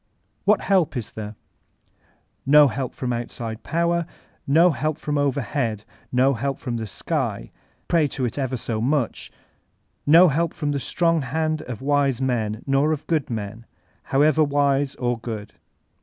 What help is there? No help from outside power; no help from overhead ; no help from the Sky, pray to it ever so much ; no help from the strong hand of wise men, nor of good men, however wise or good.